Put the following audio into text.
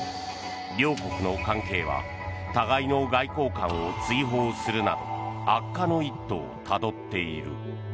両国の関係は互いの外交官を追放するなど悪化の一途をたどっている。